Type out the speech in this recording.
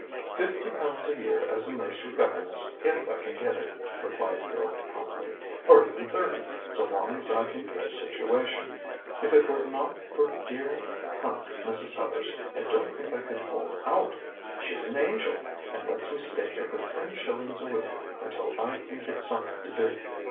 "Fifty pounds a year as a nursery governess if I can get it," replied the girl promptly, "or even thirty, so long as I can get a situation. If it were not for dear, kind Mrs. Sellars I don't think I could hold out. She's an angel, and lets me stay here for ten shillings a week until I can get something to do.